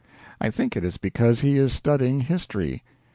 I think it is because he is studying history.